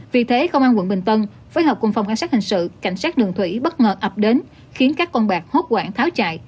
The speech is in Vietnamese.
vì thế công an tp hcm phối hợp cùng phòng cảnh sát hình sự cảnh sát đường thủy bất ngờ ập đến khiến các con bạc hốt quảng tháo chạy